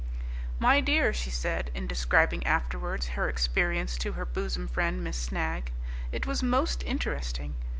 "My dear," she said, in describing afterwards her experience to her bosom friend, Miss Snagg, "it was most interesting.